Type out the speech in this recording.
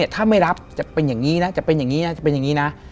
ถ้าไม่รับจะเป็นอย่างนี้นะจะเป็นอย่างนี้นะจะเป็นอย่างนี้นะ